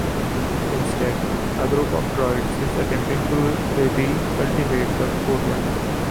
Instead, a group of druids is attempting to recultivate the courtyard.